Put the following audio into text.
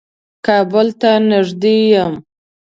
کابل ته نېږدې يم.